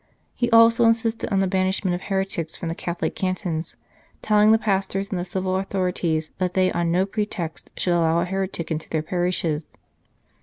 He also insisted on the banishment of heretics from the Catholic cantons, telling the pastors and the civil authorities that they on no pretext should allow a heretic into their parishes.